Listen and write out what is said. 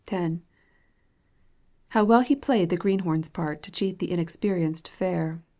How well he played the greenhorn's part To cheat the inexpeiiienced fair.